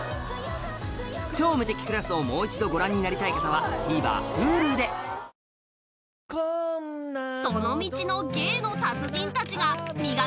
『超無敵クラス』をもう一度ご覧になりたい方はＴＶｅｒＨｕｌｕで俺の「ＣｏｏｋＤｏ」！